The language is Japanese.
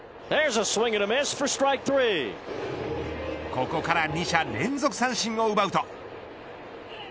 ここから２者連続三振を奪うと。